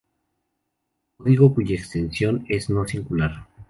Código cuya extensión es no-singular.